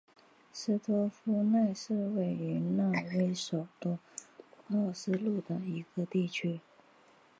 斯托夫奈是位于挪威首都奥斯陆的一个地区。